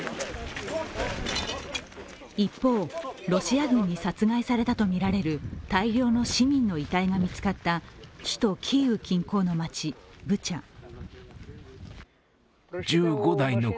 一方、ロシア軍に殺害されたとみられる大量の市民の遺体が見つかった首都キーウ近郊の街ブチャ。